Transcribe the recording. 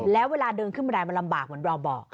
แล้วเวลาเดินขึ้นมาดายมันลำบากเหมือนบ่อ